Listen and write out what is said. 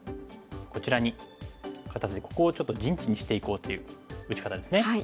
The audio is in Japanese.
こちらに肩ツイてここをちょっと陣地にしていこうという打ち方ですね。